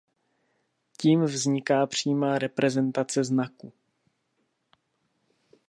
Tím vzniká přímá reprezentace znaku.